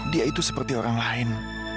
dia itu seperti orang lain